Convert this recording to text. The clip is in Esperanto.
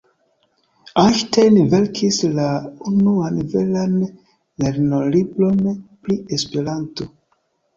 Einstein verkis la unuan veran lernolibron pri Esperanto.